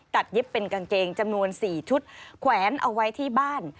เย็บเป็นกางเกงจำนวน๔ชุดแขวนเอาไว้ที่บ้าน